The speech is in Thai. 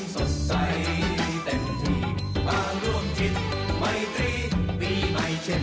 สวัสดีค่ะ